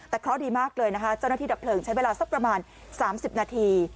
แต่เคราะห์ดีมากเลยนะคะเจ้าหน้าที่ดับเพลิงใช้เวลาสักประมาณ๓๐นาที